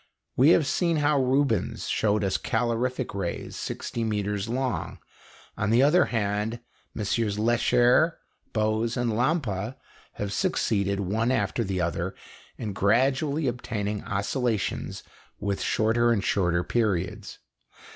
We have seen how Rubens showed us calorific rays 60 metres long; on the other hand, MM. Lecher, Bose, and Lampa have succeeded, one after the other, in gradually obtaining oscillations with shorter and shorter periods.